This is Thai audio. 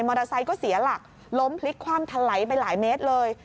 เตอร์ไซค์ก็เสียหลักล้มพลิกคว่ำทะไหลไปหลายเมตรเลย